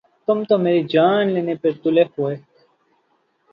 تم تو میری جان لینے پر تُلے ہو